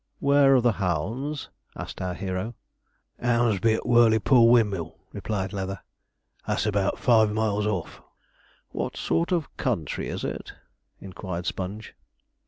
'Where are the hounds?' asked our hero. ''Ounds be at Whirleypool Windmill,' replied Leather, 'that's about five miles off.' 'What sort of country is it?' inquired Sponge.